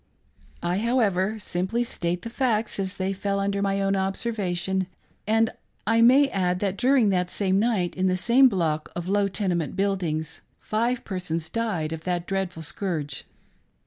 I, however, simply state the facts as they fell under my own observation ; and I may add that, during that same night, in the same block of low tenement buildings, five persons died of that dreadful scourge.